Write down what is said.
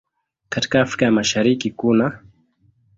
Katika Afrika ya Mashariki kunaː